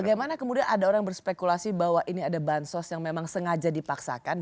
bagaimana kemudian ada orang berspekulasi bahwa ini ada bansos yang memang sengaja dipaksakan